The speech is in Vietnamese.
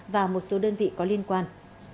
và một số đơn vị có liên quan